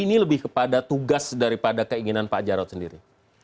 ini lebih kepada tugas daripada keinginan pak jarod sendiri